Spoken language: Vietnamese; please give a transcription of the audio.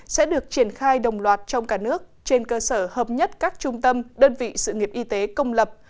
sẽ được triển khai đồng loạt trong cả nước trên cơ sở hợp nhất các trung tâm đơn vị sự nghiệp y tế công lập